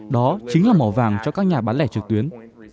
đó chính là mỏ vàng cho các nhà bán lẻ trực tuyến